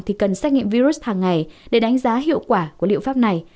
thì cần xét nghiệm virus hàng ngày để đánh giá hiệu quả của liệu pháp này